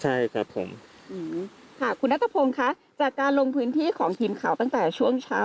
ใช่ครับผมค่ะคุณนัทพงศ์ค่ะจากการลงพื้นที่ของทีมข่าวตั้งแต่ช่วงเช้า